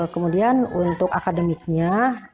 kemudian untuk akademiknya